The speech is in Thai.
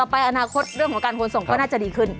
ไปอนาคตเรื่องของการขนส่งก็น่าจะดีขึ้น